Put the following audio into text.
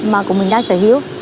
mà của mình đang sở hữu